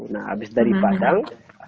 nah habis dari padang